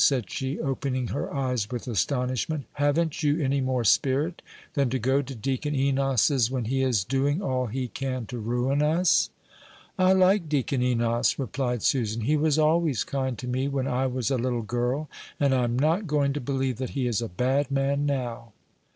said she, opening her eyes with astonishment; "haven't you any more spirit than to go to Deacon Enos's when he is doing all he can to ruin us?" "I like Deacon Enos," replied Susan; "he was always kind to me when I was a little girl, and I am not going to believe that he is a bad man now."